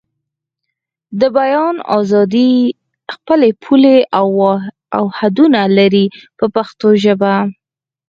د بیان ازادي خپلې پولې او حدونه لري په پښتو ژبه.